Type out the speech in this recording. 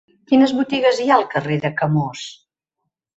Quines botigues hi ha al carrer de Camós?